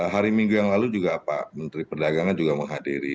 hari minggu yang lalu juga pak menteri perdagangan juga menghadiri